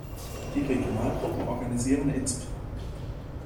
Die Regionalgruppen organisieren insb.